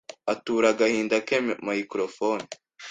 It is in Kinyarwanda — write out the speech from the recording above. atura agahinda ke microfone